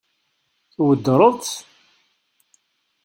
Tweddṛeḍ-tt?